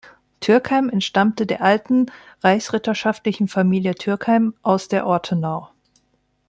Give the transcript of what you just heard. Türckheim entstammte der alten reichsritterschaftlichen Familie Türckheim aus der Ortenau.